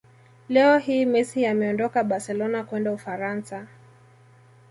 Leo hii Messi ameondoka barcelona kwenda Ufaransa